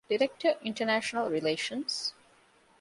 ޑިރެކްޓަރ، އިންޓަރނޭޝަނަލް ރިލޭޝަންސް